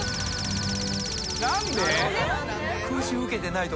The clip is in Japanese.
何で？